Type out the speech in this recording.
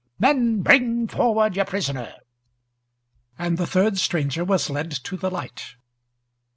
Men, bring forward your prisoner." And the third stranger was led to the light.